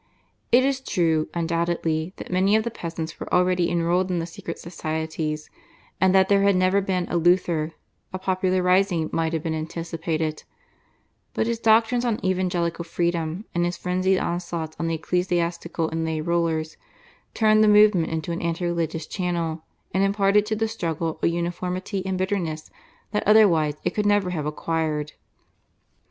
It is true, undoubtedly, that many of the peasants were already enrolled in the secret societies, and that had there never been a Luther a popular rising might have been anticipated; but his doctrines on evangelical freedom and his frenzied onslaughts on the ecclesiastical and lay rulers, turned the movement into an anti religious channel, and imparted to the struggle a uniformity and bitterness that otherwise it could never have acquired.